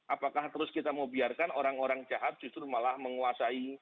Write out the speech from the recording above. apakah terus kita mau biarkan orang orang jahat justru malah menguasai